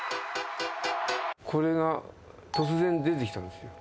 これが突然出てきたんですよ。